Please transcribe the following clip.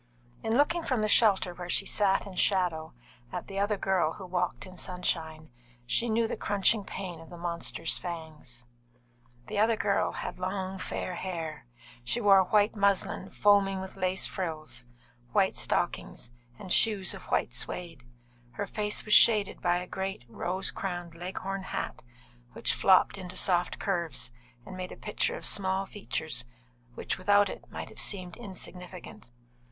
In looking from the shelter where she sat in shadow, at the other girl who walked in sunshine, she knew the crunching pain of the monster's fangs. The other girl had long, fair hair; she wore white muslin, foaming with lace frills, white silk stockings, and shoes of white suede. Her face was shaded by a great, rose crowned, leghorn hat, which flopped into soft curves and made a picture of small features which without it might have seemed insignificant.